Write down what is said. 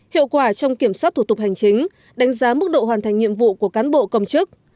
hiệu quả trong kiểm soát thủ tục hành chính đánh giá mức độ hoàn thành nhiệm vụ của cán bộ công chức